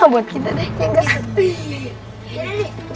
buat kita deh ya nggak sedih